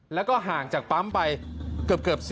แล้วก็ห่างจากปั๊มไปเกือบ